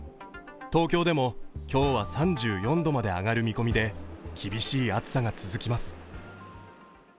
東京でも今日は３４度まで上がる見込みで厳しい暑さが続きます。